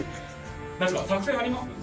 何か作戦あります？